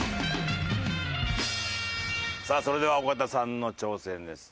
それでは尾形さんの挑戦です。